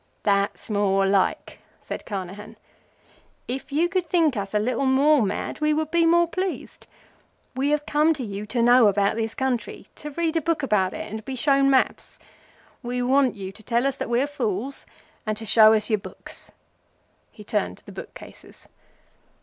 "That's more like," said Carnehan. "If you could think us a little more mad we would be more pleased. We have come to you to know about this country, to read a book about it, and to be shown maps. We want you to tell us that we are fools and to show us your books." He turned to the book cases.